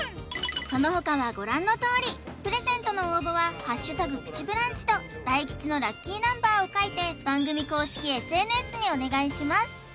そのほかはご覧のとおりプレゼントの応募は「＃プチブランチ」と大吉のラッキーナンバーを書いて番組公式ＳＮＳにお願いします